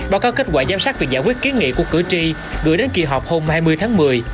báo cáo kết quả giám sát việc giải quyết kiến nghị của cử tri gửi đến kỳ họp hôm hai mươi tháng một mươi